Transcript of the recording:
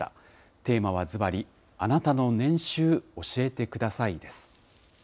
テーマはずばり、あなたの年収教えてくださいです。